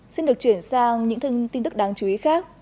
xin được chuyển sang những tin tức đáng chú ý khác